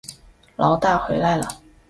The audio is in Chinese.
牢大回来了